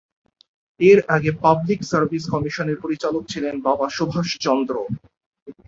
এর আগে public service কমিশনের পরিচালক ছিলেন বাবা সুভাষ চন্দ্র।